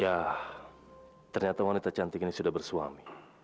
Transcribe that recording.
ya ternyata wanita cantik ini sudah bersuami